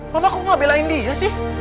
mama aku gak belain dia sih